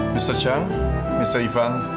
mr chang mr ivan